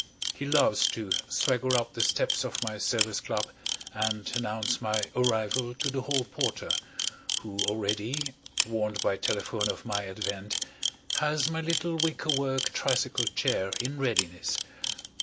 He loves to swagger up the steps of my Service Club and announce my arrival to the Hall Porter, who already, warned by telephone of my advent, has my little wicker work tricycle chair in readiness.